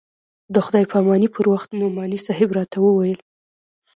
د خداى پاماني پر وخت نعماني صاحب راته وويل.